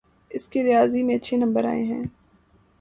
اس کے ریاضی میں اچھے نمبر آئے ہیں